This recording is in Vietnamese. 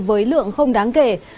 với lượng không đáng kể